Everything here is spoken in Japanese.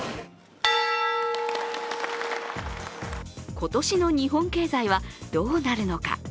今年の日本経済はどうなるのか。